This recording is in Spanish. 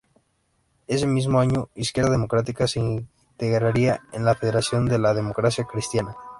Ese mismo año Izquierda Democrática se integraría en la Federación de la Democracia Cristiana.